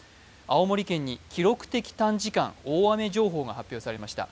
青森県に記録的短時間大雨情報が発表されました。